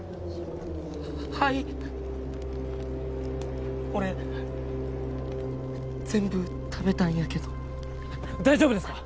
はい俺全部食べたんやけど大丈夫ですか？